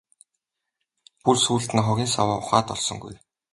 Бүр сүүлд нь хогийн саваа ухаад олсонгүй.